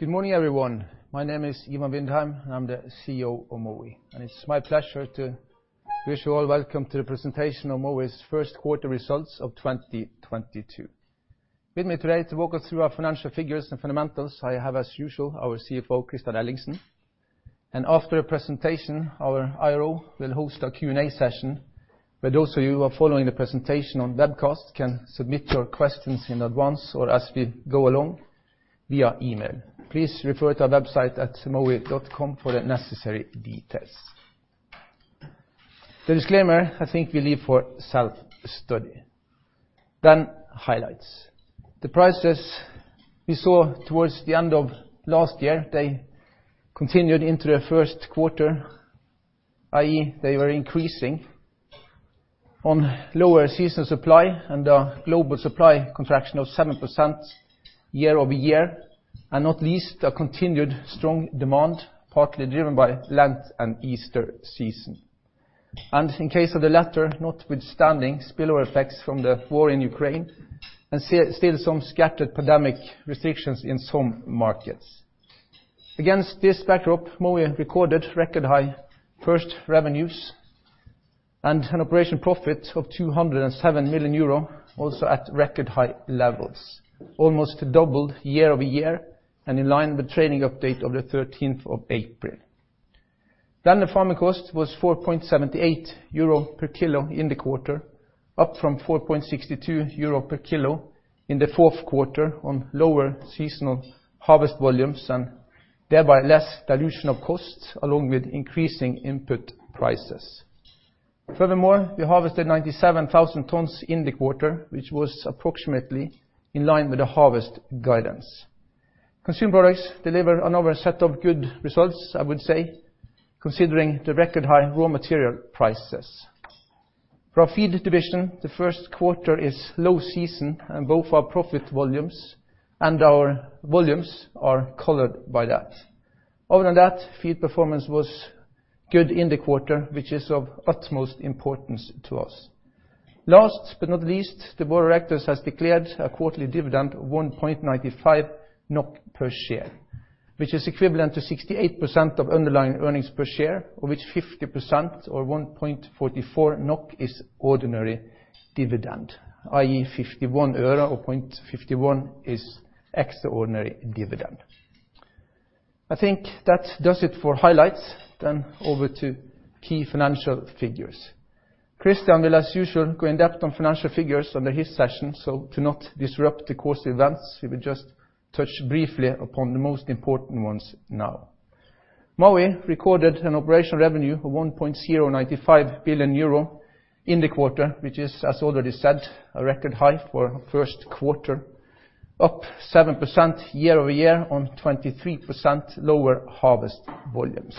Good morning, everyone. My name is Ivan Vindheim, and I'm the CEO of Mowi. It's my pleasure to wish you all welcome to the presentation of Mowi's first quarter results of 2022. With me today to walk us through our financial figures and fundamentals, I have, as usual, our CFO, Kristian Ellingsen. After the presentation, our IRO will host a Q&A session. Those of you who are following the presentation on Webcast can submit your questions in advance or as we go along via email. Please refer to our website at mowi.com for the necessary details. The disclaimer, I think we leave for self-study. Highlights. The prices we saw towards the end of last year, they continued into the first quarter, i.e., they were increasing on lower season supply and a global supply contraction of 7% year-over-year, and not least, a continued strong demand, partly driven by Lent and Easter season. In case of the latter, notwithstanding spillover effects from the war in Ukraine and still some scattered pandemic restrictions in some markets. Against this backdrop, Mowi recorded record high first revenues and an operational profit of 207 million euro, also at record high levels, almost doubled year-over-year and in line with trading update of the April 13th. The farming cost was 4.78 euro per kilo in the quarter, up from 4.62 euro per kilo in the fourth quarter on lower seasonal harvest volumes and thereby less dilution of costs along with increasing input prices. Furthermore, we harvested 97,000 tons in the quarter, which was approximately in line with the harvest guidance. Consumer products deliver another set of good results, I would say, considering the record high raw material prices. For our feed division, the first quarter is low season, and both our profit volumes and our volumes are colored by that. Other than that, feed performance was good in the quarter, which is of utmost importance to us. Last but not least, the board of directors has declared a quarterly dividend of 1.95 NOK per share, which is equivalent to 68% of underlying earnings per share, of which 50% or 1.44 NOK is ordinary dividend, i.e., 0.51 euro or 0.51 is extraordinary dividend. I think that does it for highlights. Over to key financial figures. Kristian will, as usual, go in-depth on financial figures under his session. To not disrupt the course of events, he will just touch briefly upon the most important ones now. Mowi recorded an operational revenue of 1.095 billion euro in the quarter, which is, as already said, a record high for first quarter, up 7% year-over-year on 23% lower harvest volumes.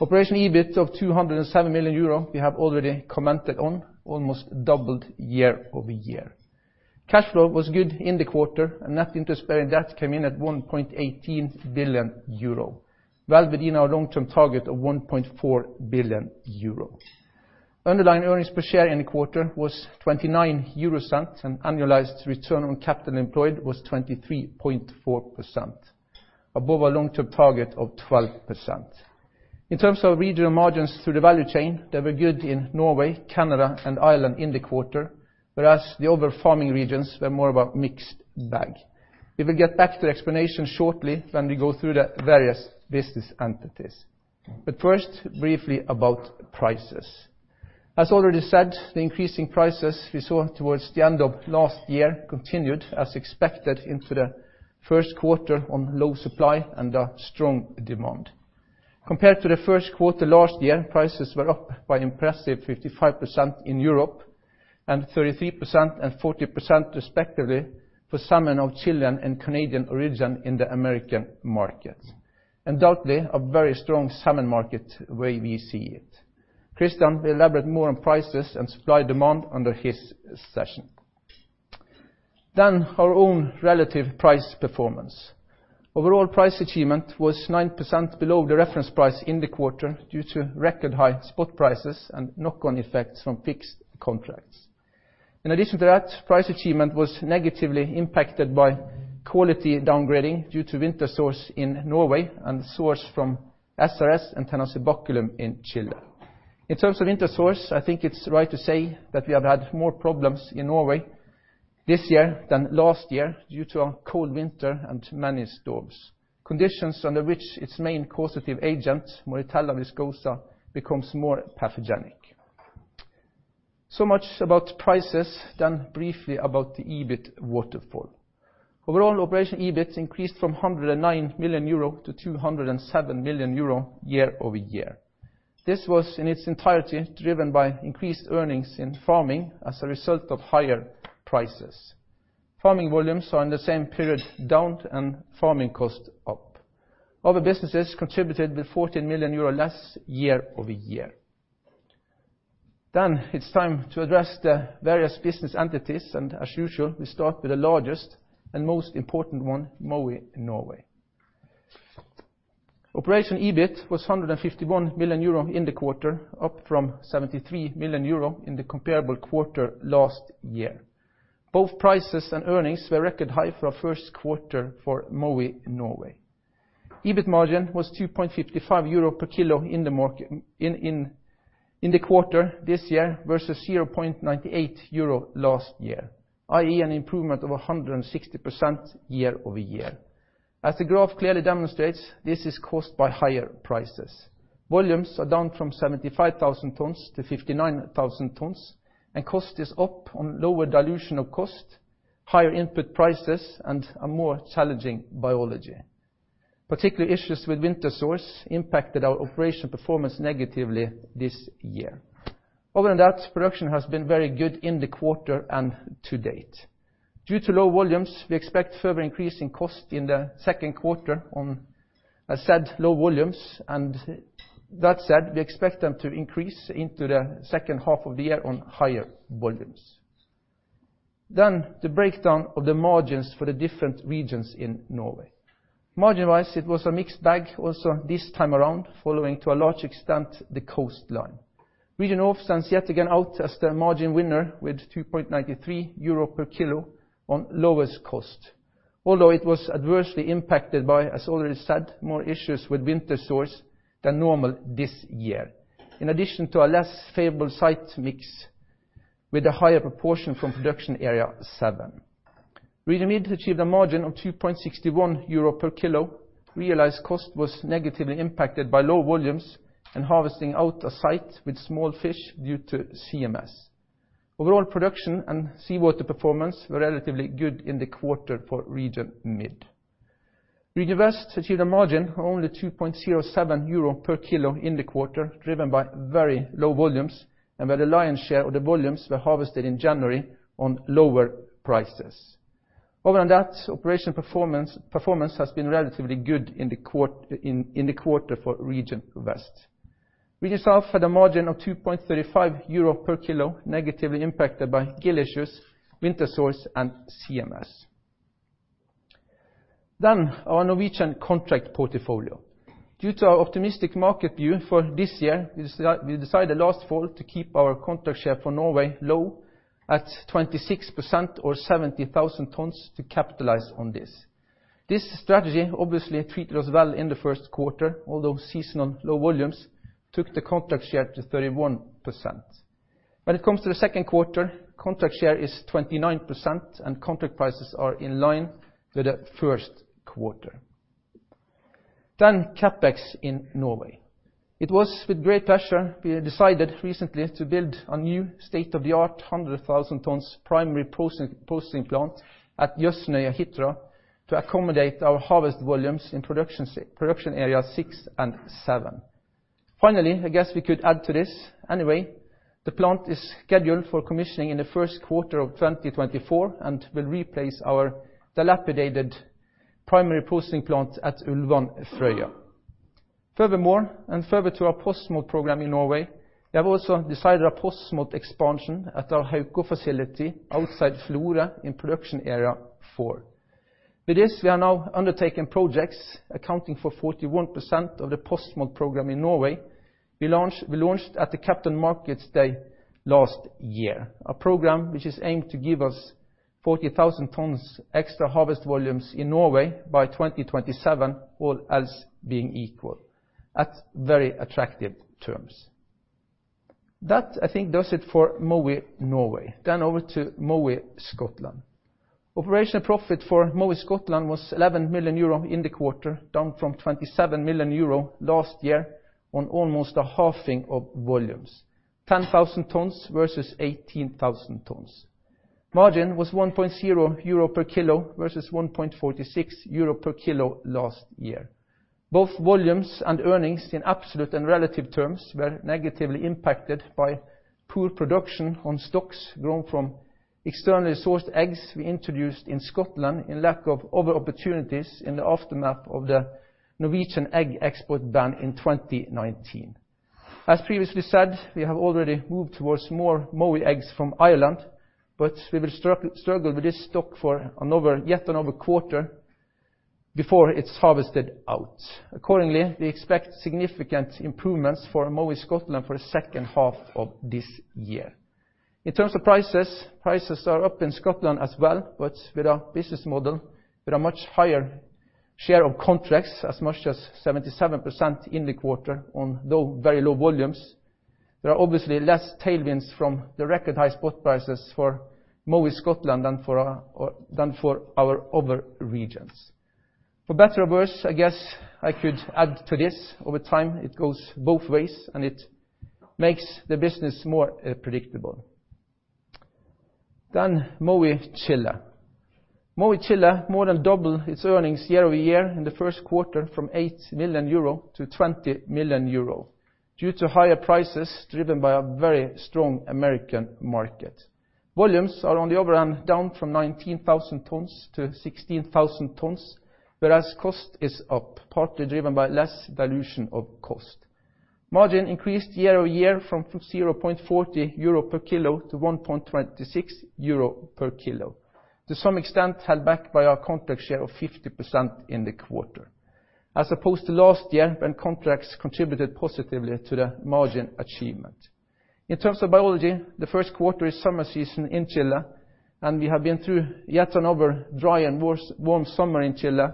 Operational EBIT of 207 million euro, we have already commented on, almost doubled year-over-year. Cash flow was good in the quarter, and net interest bearing debt came in at 1.18 billion euro. Well, within our long-term target of 1.4 billion euro. Underlying earnings per share in the quarter was 0.29, and annualized return on capital employed was 23.4%, above our long-term target of 12%. In terms of regional margins through the value chain, they were good in Norway, Canada, and Ireland in the quarter, whereas the other farming regions were more of a mixed bag. We will get back to the explanation shortly when we go through the various business entities. First, briefly about prices. As already said, the increasing prices we saw towards the end of last year continued as expected into the first quarter on low supply and a strong demand. Compared to the first quarter last year, prices were up by impressive 55% in Europe and 33% and 40% respectively for salmon of Chilean and Canadian origin in the American market. Undoubtedly, a very strong salmon market as we see it. Kristian will elaborate more on prices and supply demand under his session. Our own relative price performance. Overall price achievement was 9% below the reference price in the quarter due to record high spot prices and knock on effects from fixed contracts. In addition to that, price achievement was negatively impacted by quality downgrading due to winter sores in Norway and the sores from SRS and Tenacibaculum in Chile. In terms of winter sores, I think it's right to say that we have had more problems in Norway this year than last year due to a cold winter and many storms. Conditions under which its main causative agent, Moritella viscosa, becomes more pathogenic. Much about prices, then briefly about the EBIT waterfall. Overall, operational EBIT increased from 109 million euro to 207 million euro year-over-year. This was in its entirety driven by increased earnings in farming as a result of higher prices. Farming volumes are in the same period down and farming costs up. Other businesses contributed with 14 million euro less year-over-year. It's time to address the various business entities, and as usual, we start with the largest and most important one, Mowi Norway. Operational EBIT was 151 million euro in the quarter, up from 73 million euro in the comparable quarter last year. Both prices and earnings were record high for our first quarter for Mowi Norway. EBIT margin was 2.55 euro per kilo in the quarter this year versus 0.98 euro last year, i.e., an improvement of 160% year-over-year. As the graph clearly demonstrates, this is caused by higher prices. Volumes are down from 75,000 tons-59,000 tons and cost is up on lower dilution of cost, higher input prices and a more challenging biology. Particular issues with winter sores impacted our operation performance negatively this year. Other than that, production has been very good in the quarter and to date. Due to low volumes, we expect further increase in cost in the second quarter on said low volumes, and that said, we expect them to increase into the second half of the year on higher volumes. The breakdown of the margins for the different regions in Norway. Margin-wise, it was a mixed bag also this time around, following to a large extent the coastline. Region North stands yet again out as the margin winner with 2.93 euro per kilo on lowest cost. Although it was adversely impacted by, as already said, more issues with winter sores than normal this year. In addition to a less favorable site mix with a higher proportion from production area seven. Region Mid achieved a margin of 2.61 euro Per kilo. Realized cost was negatively impacted by low volumes and harvesting out a site with small fish due to CMS. Overall production and seawater performance were relatively good in the quarter for region Mid. Region West achieved a margin of only 2.07 euro per kilo in the quarter, driven by very low volumes and where the lion's share of the volumes were harvested in January on lower prices. Other than that, operational performance has been relatively good in the quarter for Region West. Region South had a margin of 2.35 euro per kilo, negatively impacted by gill issues, winter sores, and CMS. Our Norwegian contract portfolio. Due to our optimistic market view for this year, we decided last fall to keep our contract share for Norway low at 26% or 70,000 tons to capitalize on this. This strategy obviously treated us well in the first quarter, although seasonal low volumes took the contract share to 31%. When it comes to the second quarter, contract share is 29% and contract prices are in line with the first quarter. CapEx in Norway. It was with great pleasure we decided recently to build a new state-of-the-art 100,000 tons primary processing plant at Jøsnøya, Hitra to accommodate our harvest volumes in production area 6 and 7. Finally, I guess we could add to this anyway, the plant is scheduled for commissioning in the first quarter of 2024 and will replace our dilapidated primary processing plant at Ulvan, Frøya. Furthermore, and further to our post-smolt program in Norway, we have also decided a post-smolt expansion at our Haukå facility outside Florø in production area 4. With this, we are now undertaking projects accounting for 41% of the post-smolt program in Norway. We launched at the Capital Markets Day last year, a program which is aimed to give us 40,000 tons extra harvest volumes in Norway by 2027, all else being equal at very attractive terms. That I think does it for Mowi Norway. Over to Mowi Scotland. Operational profit for Mowi Scotland was 11 million euro in the quarter, down from 27 million euro last year on almost a halving of volumes, 10,000 tons versus 18,000 tons. Margin was 1.0 euro per kilo versus 1.46 euro per kilo last year. Both volumes and earnings in absolute and relative terms were negatively impacted by poor production on stocks grown from externally sourced eggs we introduced in Scotland in lack of other opportunities in the aftermath of the Norwegian egg export ban in 2019. As previously said, we have already moved towards more Mowi eggs from Ireland, but we will struggle with this stock for another, yet another quarter before it's harvested out. Accordingly, we expect significant improvements for Mowi Scotland for the second half of this year. In terms of prices are up in Scotland as well, but with our business model with a much higher share of contracts, as much as 77% in the quarter on very low volumes, there are obviously less tailwinds from the record high spot prices for Mowi Scotland than for our other regions. For better or worse, I guess I could add to this over time, it goes both ways, and it makes the business more predictable. Mowi Chile. Mowi Chile more than doubled its earnings year-over-year in the first quarter from 8 million-20 million euro due to higher prices driven by a very strong American market. Volumes are on the other end, down from 19,000 tons-16,000 tons, whereas cost is up, partly driven by less dilution of cost. Margin increased year-over-year from 0.40 euro per kilo to 1.26 euro per kilo, to some extent held back by our contract share of 50% in the quarter, as opposed to last year, when contracts contributed positively to the margin achievement. In terms of biology, the first quarter is summer season in Chile, and we have been through yet another dry and warm summer in Chile,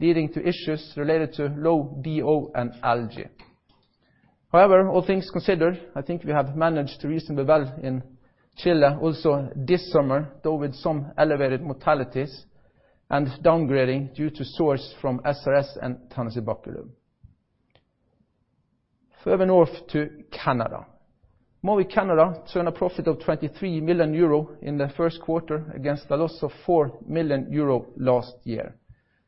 leading to issues related to low DO and algae. However, all things considered, I think we have managed reasonably well in Chile also this summer, though with some elevated mortalities and downgrading due to source from SRS and Tenacibaculum. Further north to Canada. Mowi Canada turned a profit of 23 million euro in the first quarter against a loss of 4 million euro last year.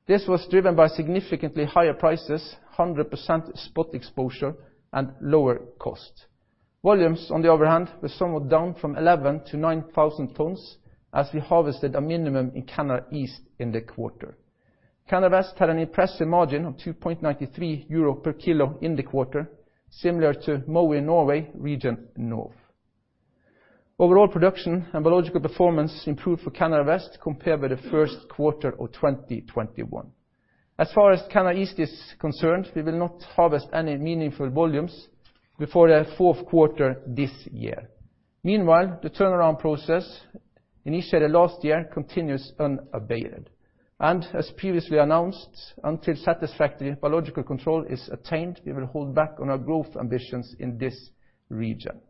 This was driven by significantly higher prices, 100% spot exposure, and lower cost. Volumes, on the other hand, were somewhat down from 11,000 to 9,000 tons as we harvested a minimum in Canada East in the quarter. Canada West had an impressive margin of 2.93 euro per kilo in the quarter, similar to Mowi Norway region north. Overall production and biological performance improved for Canada West compared with the first quarter of 2021. As far as Canada East is concerned, we will not harvest any meaningful volumes before the fourth quarter this year. Meanwhile, the turnaround process, initiated last year, continues unabated. As previously announced, until satisfactory biological control is attained, we will hold back on our growth ambitions in this region.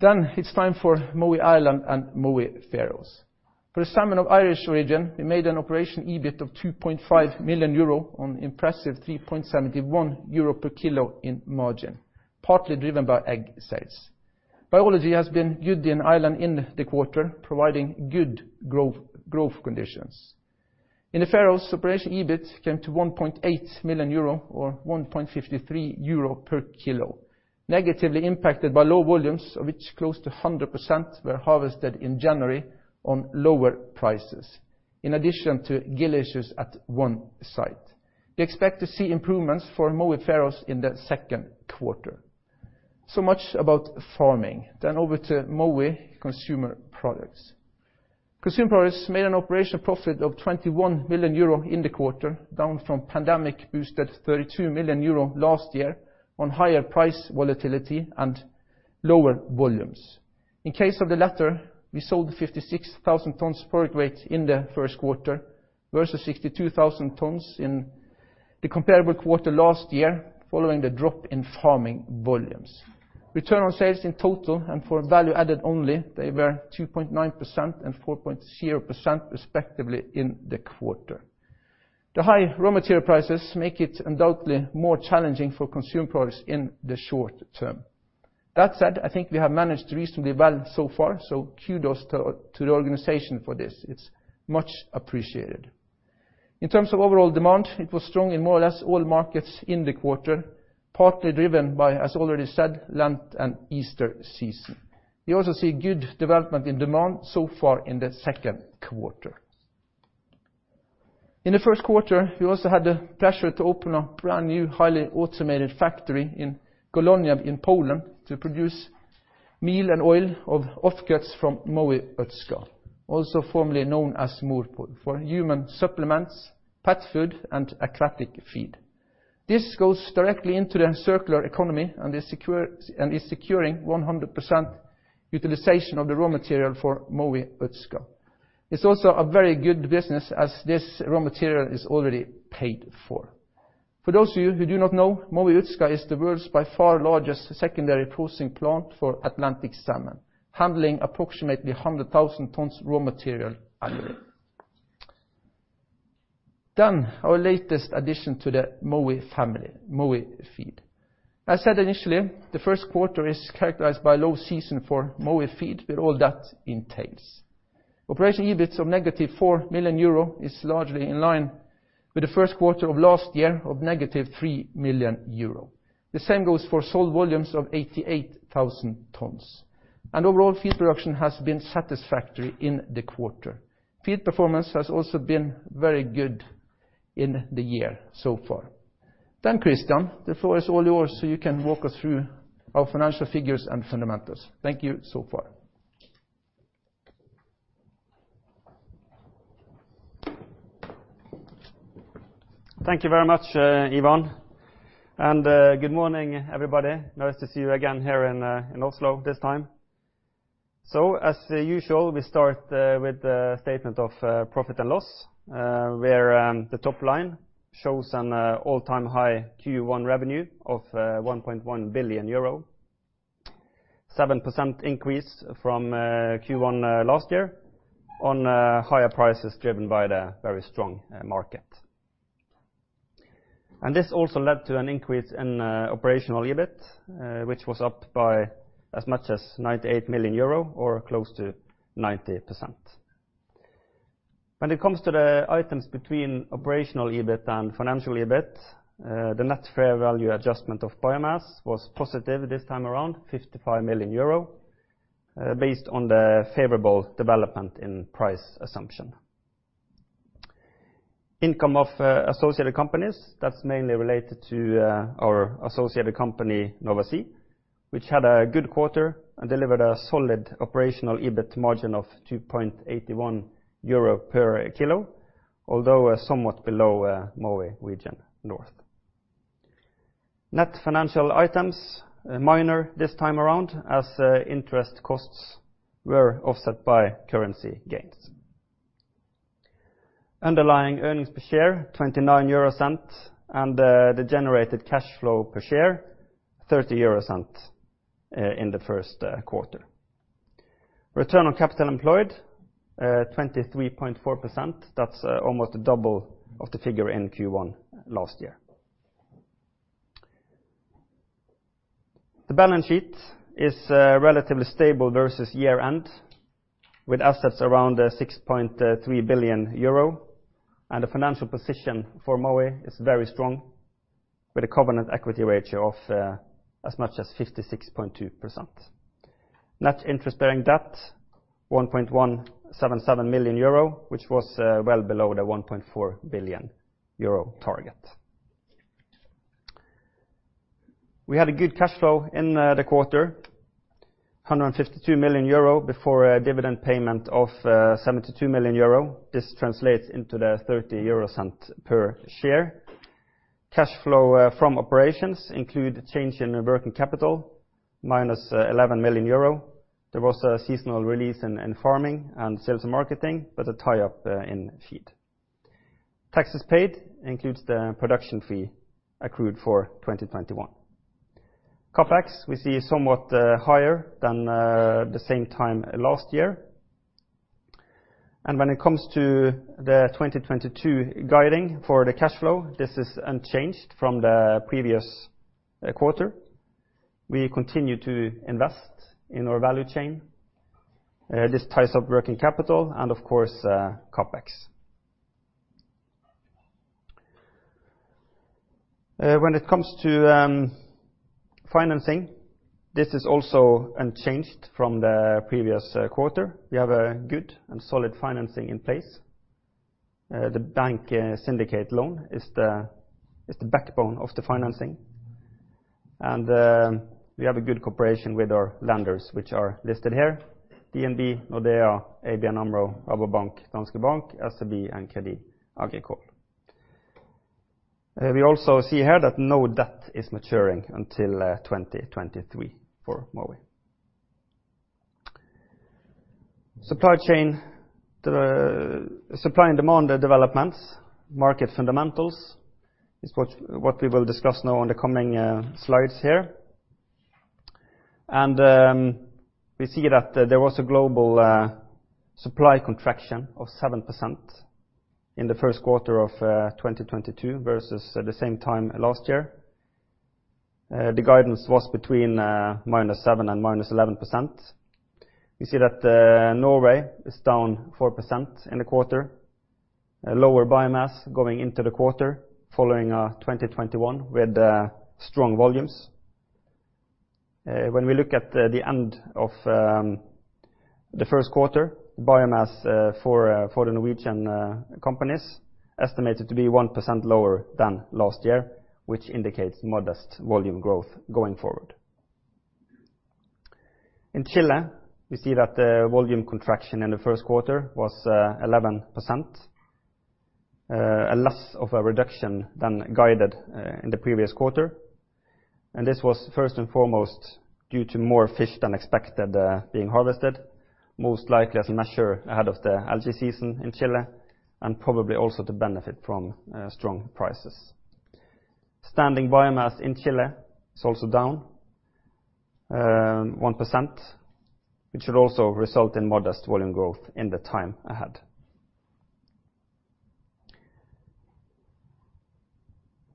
It's time for Mowi Ireland and Mowi Faroes. For the salmon of Irish region, we made an operational EBIT of 2.5 million euro on impressive 3.71 euro per kilo in margin, partly driven by egg sales. Biology has been good in Ireland in the quarter, providing good growth conditions. In the Faroes, operational EBIT came to 1.8 million euro or 1.53 euro per kilo, negatively impacted by low volumes of which close to 100% were harvested in January on lower prices, in addition to gill issues at one site. We expect to see improvements for Mowi Faroes in the second quarter. Much about farming. Over to Mowi Consumer Products. Consumer Products made an operational profit of 21 million euro in the quarter, down from pandemic-boosted 32 million euro last year on higher price volatility and lower volumes. In case of the latter, we sold 56,000 tons product weight in the first quarter versus 62,000 tons in the comparable quarter last year following the drop in farming volumes. Return on sales in total and for value added only, they were 2.9% and 4.0% respectively in the quarter. The high raw material prices make it undoubtedly more challenging for Consumer Products in the short term. That said, I think we have managed reasonably well so far, so kudos to the organization for this. It's much appreciated. In terms of overall demand, it was strong in more or less all markets in the quarter, partly driven by, as already said, Lent and Easter season. We also see good development in demand so far in the second quarter. In the first quarter, we also had the pleasure to open a brand-new, highly automated factory in Kolonia in Poland to produce meal and oil of offcuts from Mowi Ustka, also formerly known as Morpol, for human supplements, pet food, and aquatic feed. This goes directly into the circular economy and is secure, and is securing 100% utilization of the raw material for Mowi Ustka. It's also a very good business as this raw material is already paid for. For those of you who do not know, Mowi Ustka is the world's by far largest secondary processing plant for Atlantic salmon, handling approximately 100,000 tons raw material annually. Our latest addition to the Mowi family, Mowi Feed. I said initially, the first quarter is characterized by low season for Mowi Feed with all that entails. Operational EBIT of -4 million euro is largely in line with the first quarter of last year of -3 million euro. The same goes for sold volumes of 88,000 tons. Overall feed production has been satisfactory in the quarter. Feed performance has also been very good in the year so far. Kristian, the floor is all yours, so you can walk us through our financial figures and fundamentals. Thank you so far. Thank you very much, Ivan, and good morning, everybody. Nice to see you again here in Oslo this time. As usual, we start with the statement of profit and loss, where the top line shows an all-time high Q1 revenue of 1.1 billion euro, 7% increase from Q1 last year on higher prices driven by the very strong market. This also led to an increase in operational EBIT, which was up by as much as 98 million euro or close to 90%. When it comes to the items between operational EBIT and financial EBIT, the net fair value adjustment of biomass was positive this time around, 55 million euro, based on the favorable development in price assumption. Income of associated companies, that's mainly related to our associated company, Nova Sea, which had a good quarter and delivered a solid operational EBIT margin of 2.81 euro Per kilo, although was somewhat below Mowi Region North. Net financial items, minor this time around as interest costs were offset by currency gains. Underlying earnings per share 0.29, and the generated cash flow per share 0.30 In the first quarter. Return on capital employed 23.4%. That's almost double of the figure in Q1 last year. The balance sheet is relatively stable versus year end, with assets around 6.3 billion euro and a financial position for Mowi is very strong, with a covenant equity ratio of as much as 56.2%. Net interest-bearing debt 1.177 billion euro, which was well below the 1.4 billion euro target. We had a good cash flow in the quarter, 152 million euro before dividend payment of 72 million euro. This translates into the 0.30 per share. Cash flow from operations include change in working capital, minus 11 million euro. There was a seasonal release in farming and sales and marketing, but a tie-up in inventory. Taxes paid includes the production fee accrued for 2021. CapEx we see is somewhat higher than the same time last year. When it comes to the 2022 guidance for the cash flow, this is unchanged from the previous quarter. We continue to invest in our value chain. This ties up working capital and of course, CapEx. When it comes to financing, this is also unchanged from the previous quarter. We have a good and solid financing in place. The bank syndicate loan is the backbone of the financing. We have a good cooperation with our lenders, which are listed here, DNB, Nordea, ABN AMRO, Rabobank, Danske Bank, SEB, and Crédit Agricole. We also see here that no debt is maturing until 2023 for Mowi. Supply chain, the supply and demand developments, market fundamentals is what we will discuss now on the coming slides here. We see that there was a global supply contraction of 7% in the first quarter of 2022 versus the same time last year. The guidance was between -7% and -11%. We see that Norway is down 4% in the quarter. A lower biomass going into the quarter following 2021 with strong volumes. When we look at the end of the first quarter, biomass for the Norwegian companies estimated to be 1% lower than last year, which indicates modest volume growth going forward. In Chile, we see that the volume contraction in the first quarter was 11%, and less of a reduction than guided in the previous quarter. This was first and foremost due to more fish than expected being harvested, most likely as a measure ahead of the algae season in Chile, and probably also to benefit from strong prices. Standing biomass in Chile is also down 1%, which should also result in modest volume growth in the time ahead.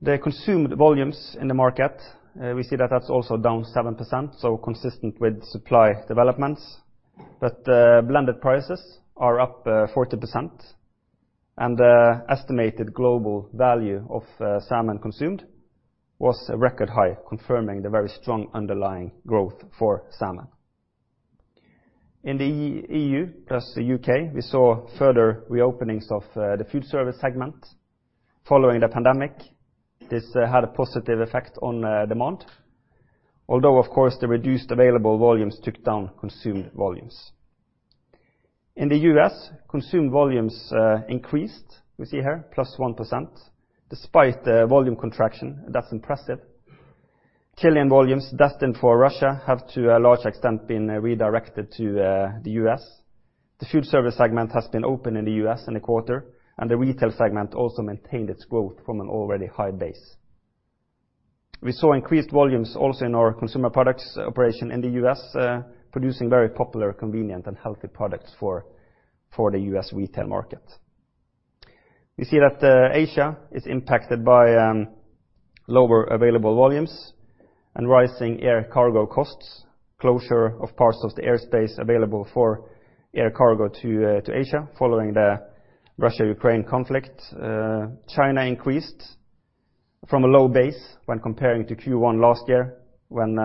The consumed volumes in the market, we see that that's also down 7%, so consistent with supply developments. The blended prices are up 40% and the estimated global value of salmon consumed was a record high, confirming the very strong underlying growth for salmon. In the EU plus the U.K., we saw further reopenings of the food service segment following the pandemic. This had a positive effect on demand, although of course the reduced available volumes took down consumed volumes. In the US, consumed volumes increased, we see here +1% despite the volume contraction. That's impressive. Chilean volumes destined for Russia have to a large extent been redirected to the U.S. The food service segment has been open in the U.S. in the quarter, and the retail segment also maintained its growth from an already high base. We saw increased volumes also in our consumer products operation in the U.S., producing very popular, convenient, and healthy products for the US retail market. We see that Asia is impacted by lower available volumes and rising air cargo costs, closure of parts of the airspace available for air cargo to Asia following the Russia-Ukraine conflict. China increased from a low base when comparing to Q1 last year when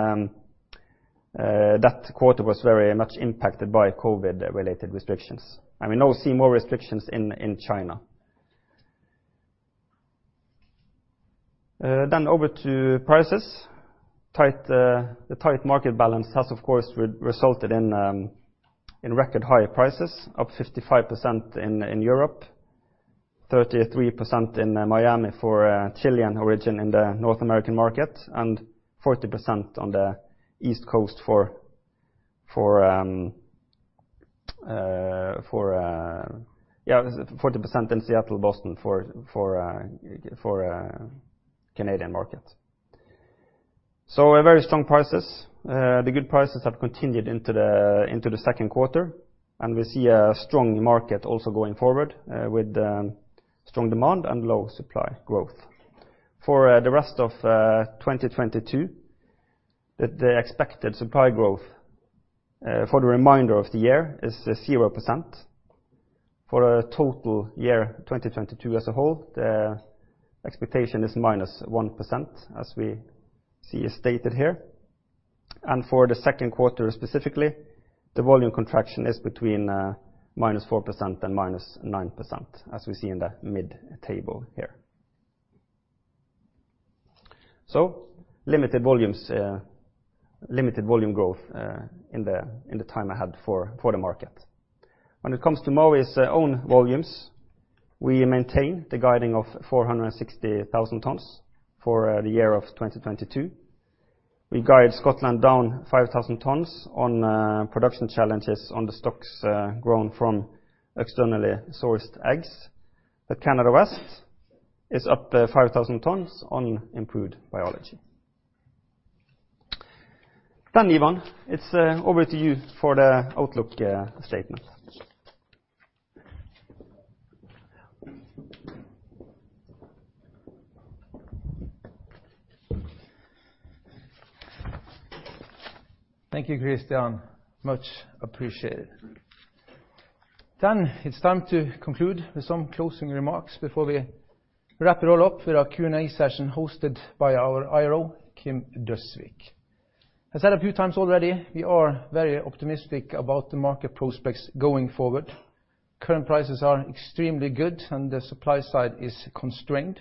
that quarter was very much impacted by COVID-related restrictions, and we now see more restrictions in China. Over to prices. The tight market balance has, of course, resulted in record high prices, up 55% in Europe, 33% in Miami for Chilean origin in the North American market, and 40% in Seattle, Boston for Canadian market. Very strong prices. The good prices have continued into the second quarter, and we see a strong market also going forward, with strong demand and low supply growth. For the rest of 2022, the expected supply growth for the remainder of the year is 0%. For total year 2022 as a whole, the expectation is -1%, as we see is stated here. For the second quarter specifically, the volume contraction is between -4% and -9%, as we see in the mid-table here. Limited volumes, limited volume growth, in the time ahead for the market. When it comes to Mowi's own volumes, we maintain the guiding of 460,000 tons for the year of 2022. We guide Scotland down 5,000 tons on production challenges on the stocks grown from externally sourced eggs. Canada West is up 5,000 tons on improved biology. Ivan, it's over to you for the outlook statement. Thank you, Kristian. Much appreciated. It's time to conclude with some closing remarks before we wrap it all up for our Q&A session hosted by our IRO, Kim Døsvig. I said a few times already, we are very optimistic about the market prospects going forward. Current prices are extremely good, and the supply side is constrained.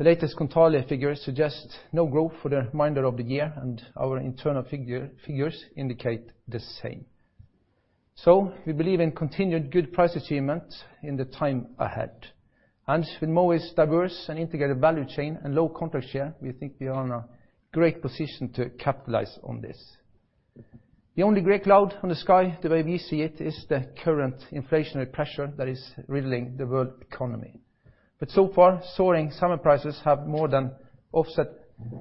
The latest Kontali figures suggest no growth for the remainder of the year, and our internal figure, figures indicate the same. We believe in continued good price achievement in the time ahead. With Mowi's diverse and integrated value chain and low contract share, we think we are in a great position to capitalize on this. The only gray cloud on the sky, the way we see it, is the current inflationary pressure that is riddling the world economy. So far, soaring salmon prices have more than offset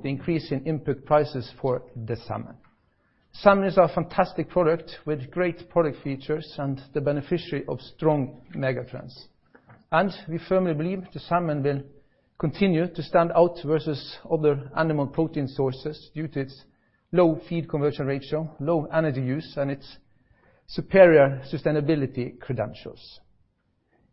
the increase in input prices for the summer. Salmon is a fantastic product with great product features and the beneficiary of strong megatrends. We firmly believe the salmon will continue to stand out versus other animal protein sources due to its low feed conversion ratio, low energy use, and its superior sustainability credentials.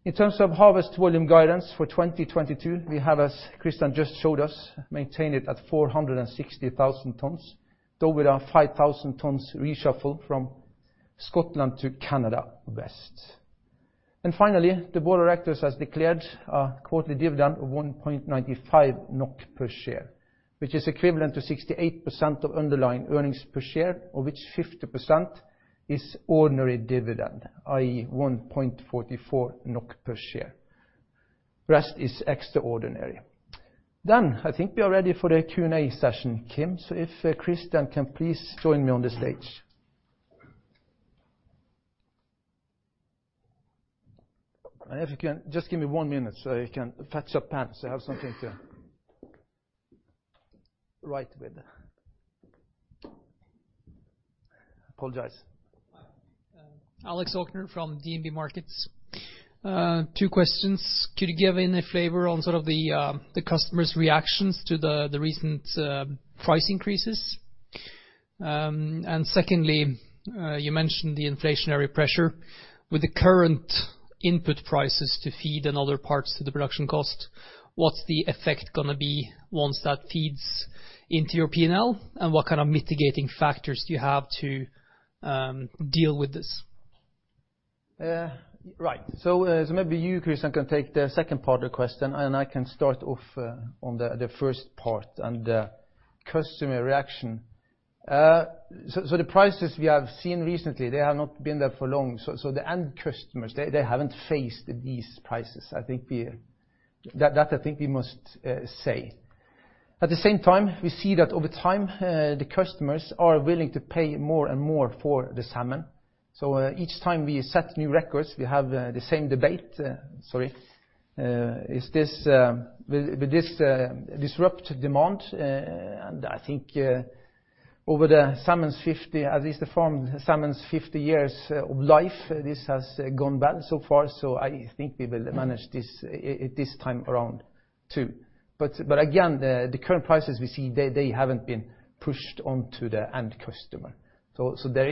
In terms of harvest volume guidance for 2022, we have, as Kristian just showed us, maintained it at 460,000 tons, though with a 5,000 tons reshuffle from Scotland to Canada West. Finally, the board of directors has declared a quarterly dividend of 1.95 NOK per share, which is equivalent to 68% of underlying earnings per share, of which 50% is ordinary dividend, i.e., 1.44 NOK per share. Rest is extraordinary. I think we are ready for the Q&A session, Kim. If Kristian can please join me on the stage. If you can just give me one minute so I can fetch a pen, so I have something to write with. Apologies. Alexander Aukner from DNB Markets. Two questions. Could you give any flavor on sort of the customers' reactions to the recent price increases? Secondly, you mentioned the inflationary pressure. With the current input prices to feed and other parts to the production cost, what's the effect gonna be once that feeds into your P&L? What kind of mitigating factors do you have to deal with this? Maybe you, Kristian, can take the second part of the question, and I can start off on the first part and customer reaction. The prices we have seen recently, they have not been there for long. The end customers, they haven't faced these prices. I think we must say that. At the same time, we see that over time the customers are willing to pay more and more for the salmon. Each time we set new records, we have the same debate. Sorry. Will this disrupt demand? I think over the salmon's 50, at least the farmed salmon's 50 years of life, this has gone well so far. I think we will manage this time around too. Again, the current prices we see haven't been pushed on to the end customer. There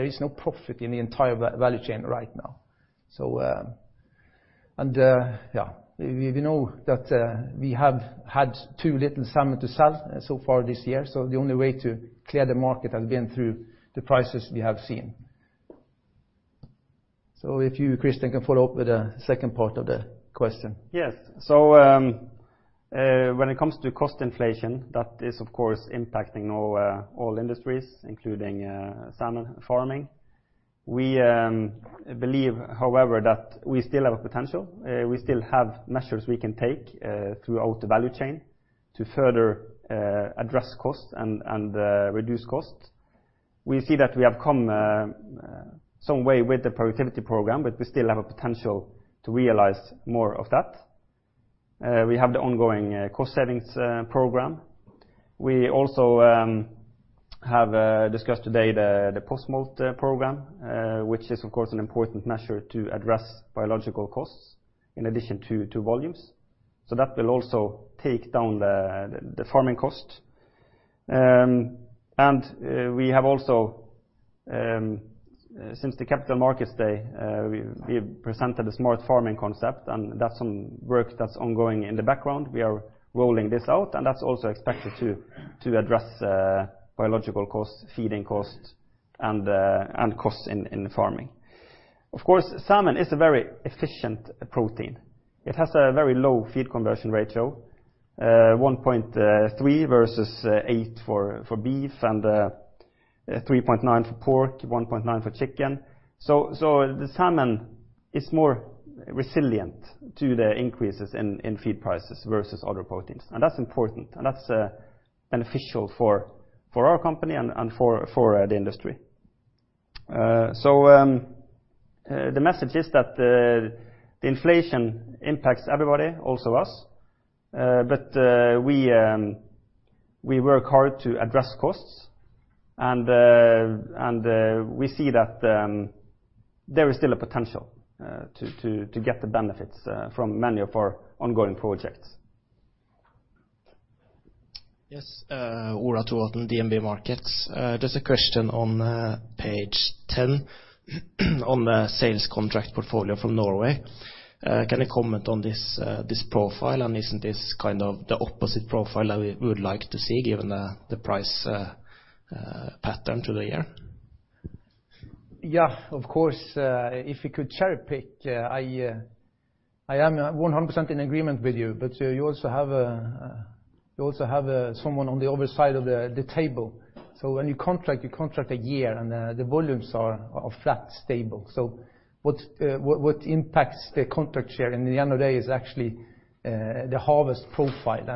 is no profit in the entire value chain right now. Yeah, we know that we have had too little salmon to sell so far this year, so the only way to clear the market has been through the prices we have seen. If you, Kristian, can follow up with the second part of the question. Yes. When it comes to cost inflation, that is, of course, impacting all industries, including salmon farming. We believe, however, that we still have a potential. We still have measures we can take throughout the value chain to further address costs and reduce costs. We see that we have come some way with the productivity program, but we still have a potential to realize more of that. We have the ongoing cost savings program. We also have discussed today the post-smolt program, which is, of course, an important measure to address biological costs in addition to volumes. That will also take down the farming cost. We have also, since the Capital Markets Day, we presented a Smart Farming concept, and that's some work that's ongoing in the background. We are rolling this out, and that's also expected to address biological costs, feeding costs, and costs in the farming. Of course, salmon is a very efficient protein. It has a very low feed conversion ratio, 1.3 versus 8 for beef and 3.9 for pork, 1.9 for chicken. So the salmon is more resilient to the increases in feed prices versus other proteins, and that's important, and that's beneficial for our company and for the industry. So the message is that the inflation impacts everybody, also us. We work hard to address costs and we see that there is still a potential to get the benefits from many of our ongoing projects. Yes, Ola Trovatn, DNB Markets. Just a question on page 10 on the sales contract portfolio from Norway. Can you comment on this profile? Isn't this kind of the opposite profile that we would like to see given the price pattern through the year? Yeah, of course, if you could cherry-pick, I am 100% in agreement with you. You also have someone on the other side of the table. When you contract, you contract a year and the volumes are flat, stable. What impacts the contract share at the end of the day is actually the harvest profile.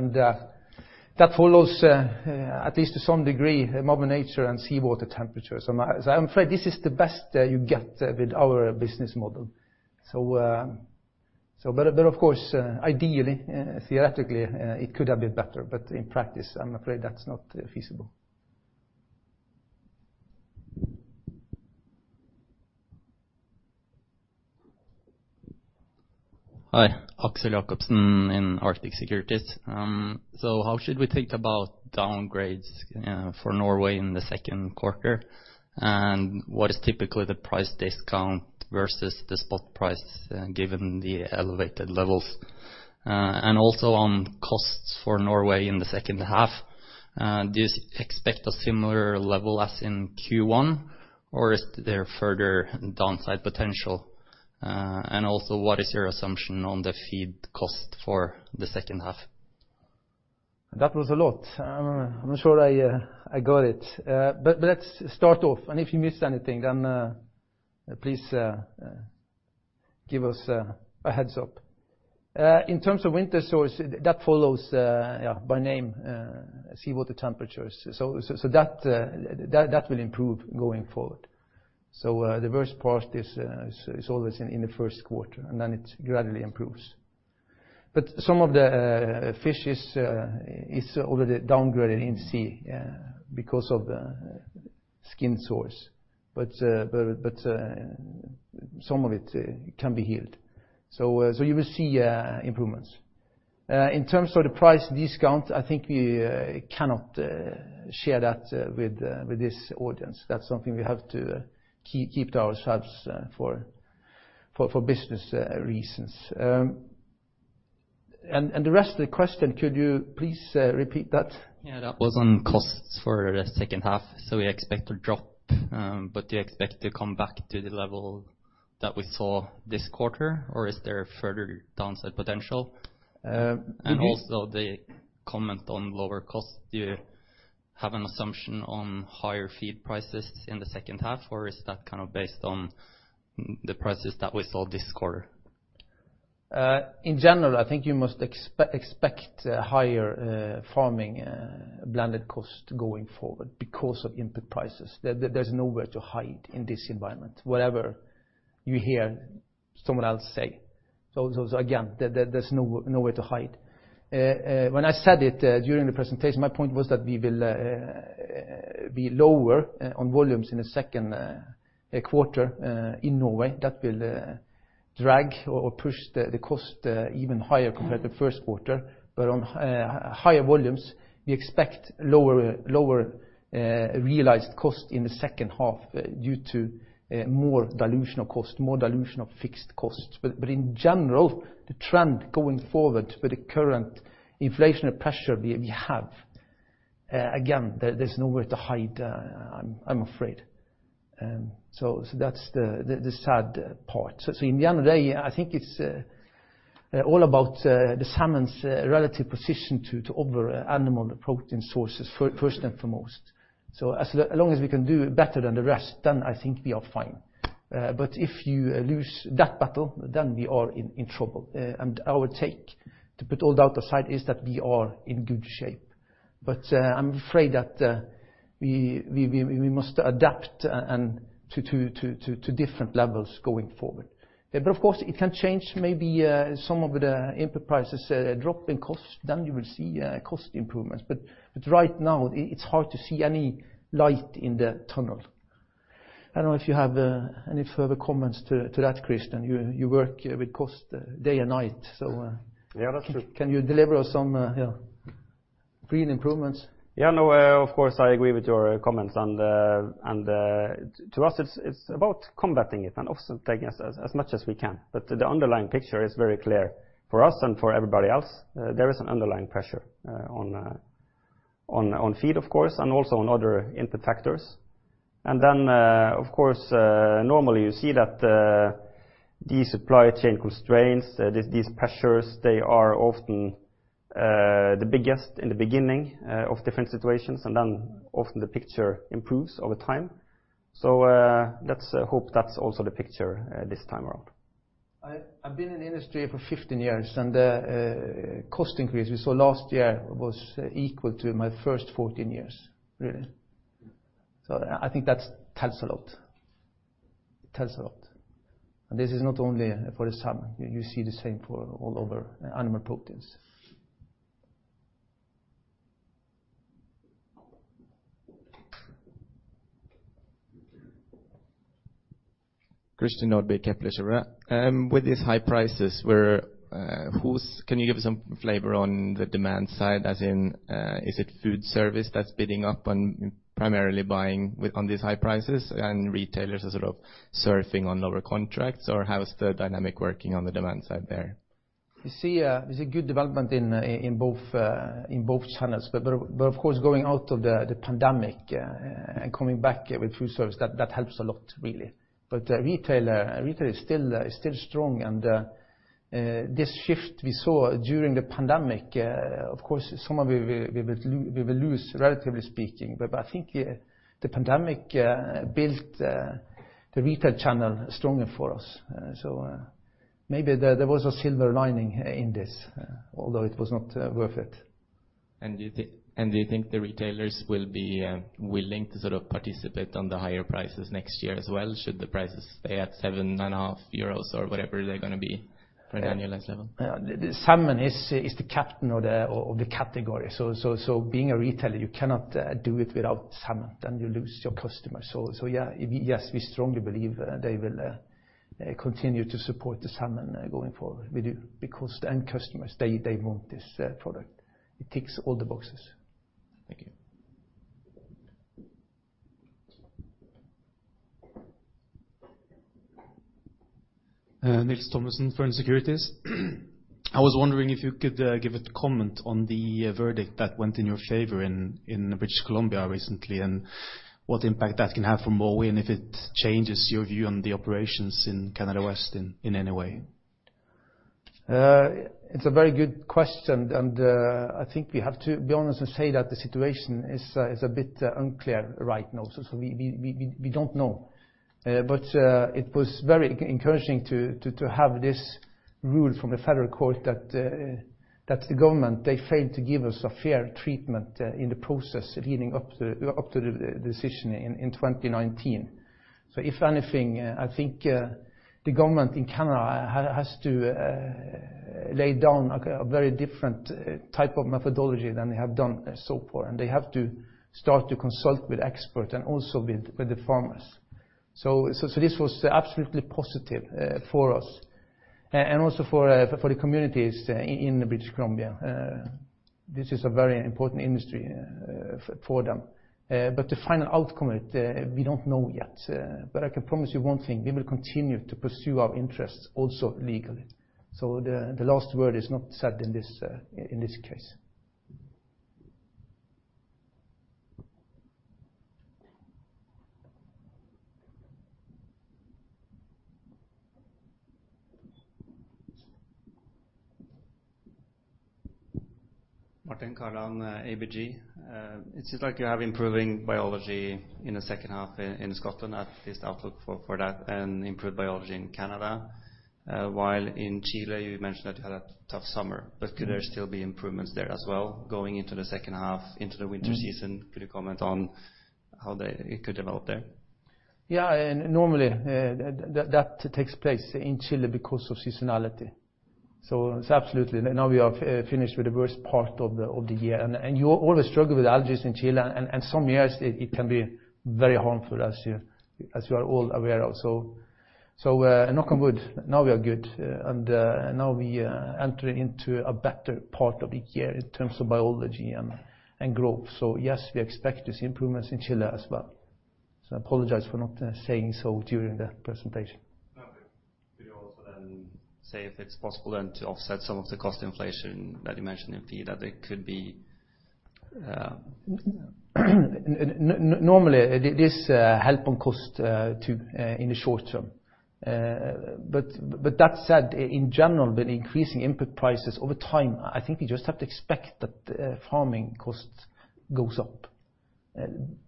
That follows at least to some degree, Mother Nature and seawater temperatures. I'm afraid this is the best you get with our business model. Of course, ideally, theoretically, it could have been better, but in practice I'm afraid that's not feasible. Hi. Axel Jacobsen in Arctic Securities. How should we think about downgrades for Norway in the second quarter? What is typically the price discount versus the spot price given the elevated levels? On costs for Norway in the second half, do you expect a similar level as in Q1, or is there further downside potential? What is your assumption on the feed cost for the second half? That was a lot. I'm not sure I got it. Let's start off and if you missed anything then please give us a heads up. In terms of winter sores that follows the seawater temperatures. That will improve going forward. The worst part is always in the first quarter, and then it gradually improves. Some of the fishes is already downgraded in sea because of the skin sores. Some of it can be healed. You will see improvements. In terms of the price discount, I think we cannot share that with this audience. That's something we have to keep to ourselves for business reasons. The rest of the question, could you please repeat that? Yeah. That was on costs for the second half. We expect a drop, but do you expect to come back to the level that we saw this quarter, or is there further downside potential? Mm-hmm. Also the comment on lower costs. Do you have an assumption on higher feed prices in the second half, or is that kind of based on the prices that we saw this quarter? In general, I think you must expect higher farming blended cost going forward because of input prices. There's nowhere to hide in this environment, whatever you hear someone else say. Again, there's nowhere to hide. When I said it during the presentation, my point was that we will be lower on volumes in the second quarter in Norway that will drag or push the cost even higher compared to first quarter. On higher volumes, we expect lower realized cost in the second half due to more dilution of cost, more dilution of fixed costs. In general, the trend going forward with the current inflationary pressure we have, again, there's nowhere to hide, I'm afraid. That's the sad part. At the end of the day, I think it's all about the salmon's relative position to other animal protein sources first and foremost. As long as we can do better than the rest, then I think we are fine. But if you lose that battle, then we are in trouble. Our take, to put all doubt aside, is that we are in good shape. I'm afraid that we must adapt and to different levels going forward. Of course it can change maybe some of the input prices drop in cost, then you will see cost improvements. Right now it's hard to see any light in the tunnel. I don't know if you have any further comments to that, Kristian. You work with costs day and night, so, Yeah, that's true. Can you deliver some real improvements? Yeah, no, of course, I agree with your comments. To us it's about combating it and also taking as much as we can. The underlying picture is very clear for us and for everybody else. There is an underlying pressure on feed of course, and also on other input factors. Of course, normally you see that these supply chain constraints, these pressures, they are often the biggest in the beginning of different situations, and then often the picture improves over time. Let's hope that's also the picture this time around. I've been in the industry for 15 years, and cost increase we saw last year was equal to my first 14 years, really. I think that's tells a lot. It tells a lot. This is not only for the summer. You see the same for all other animal proteins. Christian Nordby, Kepler Cheuvreux. With these high prices, can you give us some flavor on the demand side as in, is it food service that's bidding up on primarily buying with, on these high prices and retailers are sort of surfing on lower contracts, or how is the dynamic working on the demand side there? We see good development in both channels. Of course, going out of the pandemic and coming back with food service, that helps a lot really. Retailer is still strong and this shift we saw during the pandemic, of course, some of it we will lose relatively speaking, but I think the pandemic built the retail channel stronger for us. Maybe there was a silver lining in this, although it was not worth it. Do you think the retailers will be willing to sort of participate on the higher prices next year as well, should the prices stay at 7.5 euros or whatever they're gonna be for annualized level? Salmon is the captain of the category. Being a retailer, you cannot do it without salmon, then you lose your customers. Yeah. Yes, we strongly believe they will continue to support the salmon going forward. We do, because the end customers, they want this product. It ticks all the boxes. Thank you. Nils Thommesen, Fearnley Securities. I was wondering if you could give a comment on the verdict that went in your favor in British Columbia recently, and what impact that can have for Mowi and if it changes your view on the operations in Canada West in any way? It's a very good question, and I think we have to be honest and say that the situation is a bit unclear right now. We don't know. It was very encouraging to have this ruling from the federal court that the government failed to give us a fair treatment in the process leading up to the decision in 2019. If anything, I think the government in Canada has to lay down a very different type of methodology than they have done so far, and they have to start to consult with experts and also with the farmers. This was absolutely positive for us and also for the communities in British Columbia. This is a very important industry for them. The final outcome, we don't know yet. I can promise you one thing, we will continue to pursue our interests also legally. The last word is not said in this case. Martin Kaland, ABG. It seems like you have improving biology in the second half in Scotland, at least outlook for that, and improved biology in Canada. While in Chile, you mentioned that you had a tough summer. Could there still be improvements there as well going into the second half, into the winter season? Could you comment on how it could develop there? Yeah. Normally, that takes place in Chile because of seasonality. Absolutely. Now we are finished with the worst part of the year. You always struggle with algae in Chile, and some years it can be very harmful as you are all aware of. Knock on wood, now we are good. Now we enter into a better part of the year in terms of biology and growth. Yes, we expect to see improvements in Chile as well. I apologize for not saying so during the presentation. No. Could you also then say if it's possible then to offset some of the cost inflation that you mentioned, indeed, that there could be, Normally, this helps on costs in the short term. That said, in general, with increasing input prices over time, I think we just have to expect that farming costs goes up.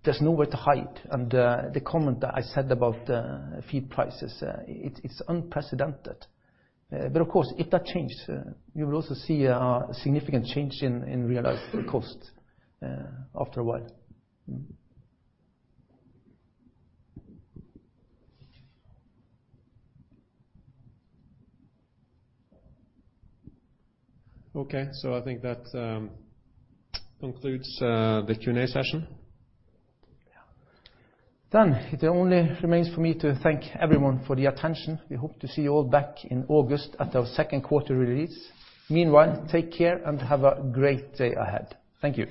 There's nowhere to hide. The comment that I said about feed prices, it's unprecedented. But of course, if that changes, you will also see a significant change in realized costs after a while. Okay. I think that concludes the Q&A session. Yeah. It only remains for me to thank everyone for the attention. We hope to see you all back in August at our second quarter release. Meanwhile, take care and have a great day ahead. Thank you.